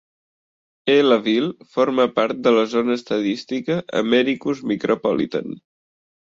Ellaville forma part de la zona estadística Americus Micropolitan.